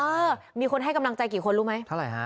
เออมีคนให้กำลังใจกี่คนรู้ไหมเท่าไหร่ฮะ